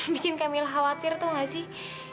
bikin camilla khawatir tau gak sih